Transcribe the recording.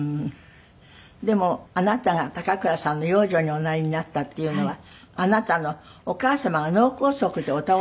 でもあなたが高倉さんの養女におなりになったっていうのはあなたのお母様が脳梗塞でお倒れになった時？